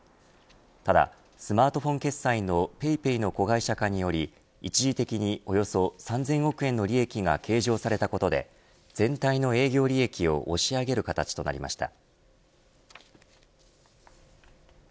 ただ、スマートフォン決済のＰａｙＰａｙの子会社化により一時的におよそ３０００億円の利益が計上されたことで全体の営業利益を押し上げる形となりました。